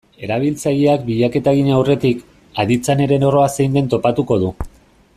Erabiltzaileak bilaketa egin aurretik, aditzaren erroa zein den topatuko du.